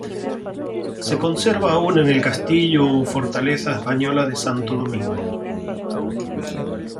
Se conserva aún el castillo o fortaleza española de Santo Domingo.